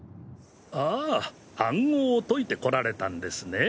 ああ暗号を解いて来られたんですね？